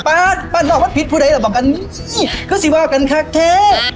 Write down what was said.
ป๊าบบันนอกมัดพิษพูดอะไรแบบบอกอันนี้คือสิวะกันคาแท้อ่า